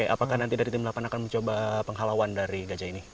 apakah nanti dari tim delapan akan mencoba penghalauan dari gajah ini